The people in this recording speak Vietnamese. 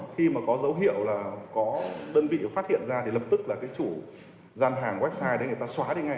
khi mà có dấu hiệu là có đơn vị phát hiện ra thì lập tức là cái chủ gian hàng website đấy người ta xóa đi ngay